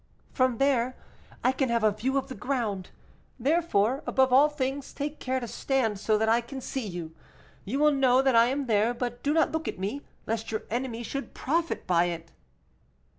"From there I can have a view of the ground; therefore, above all things, take care to stand so that I can see you; you will know that I am there, but do not look at me, lest your enemy should profit by it."